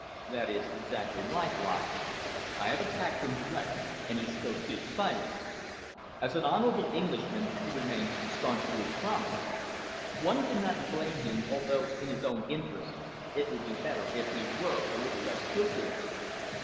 "That is exactly like Rossett. I have attacked him direct and he still keeps silence. As an honourable Englishman he remains staunch to his promise. One cannot blame him, although in his own interests it would be better if he were a little less scrupulous."